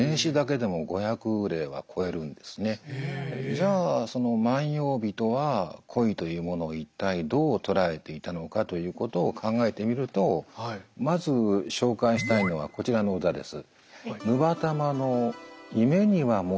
じゃあその万葉人は恋というものを一体どう捉えていたのかということを考えてみるとまず紹介したいのはこちらの歌です。